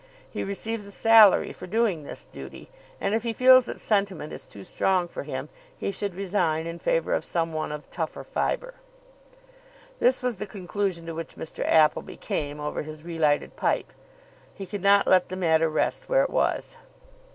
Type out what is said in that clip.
He receives a salary for doing this duty, and, if he feels that sentiment is too strong for him, he should resign in favour of some one of tougher fibre. This was the conclusion to which Mr. Appleby came over his relighted pipe. He could not let the matter rest where it was.